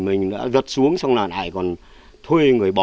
mình đã giật xuống xong rồi lại còn thuê người làm